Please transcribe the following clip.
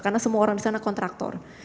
karena semua orang di sana kontraktor